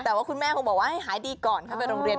แต่ว่าคุณแม่คงบอกว่าให้หายดีก่อนเข้าไปโรงเรียน